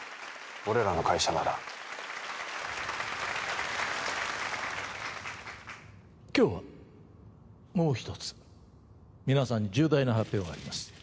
俺らの会社なら今日はもう一つ皆さんに重大な発表があります